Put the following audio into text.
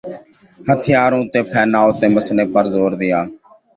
ہتھیاروں کے پھیلاؤ کے مسئلے پر زور دیا